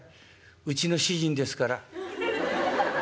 うちの主人ですから。